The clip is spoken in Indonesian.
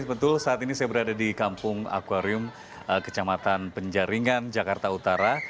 betul saat ini saya berada di kampung akwarium kecamatan penjaringan jakarta utara